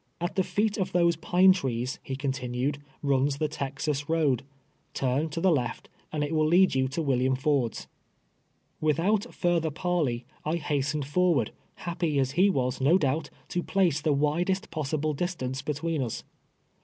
" At the feet of those pine trees," he continued, " runs the Texas road. Turn to the left, and it wiU lead you to William Ford's." 144: TWELVE YE.UiS A SLAVE. Without further parh?y, I hastened forward, liappy as he was, no d()nl)t, to ]>!ace the widest possihle dis tance between us.